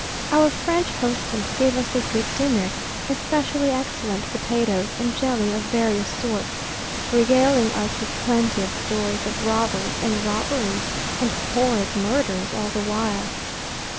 Our French hostess gave us a good dinner, especially excellent potatoes, and jelly of various sorts, regaling us with plenty of stories of robbers and robberies and horrid murders all the while.